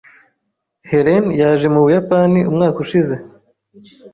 Helen yaje mu Buyapani umwaka ushize.